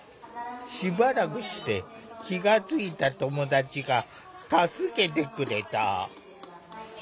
しばらくして気が付いた友達が助けてくれた。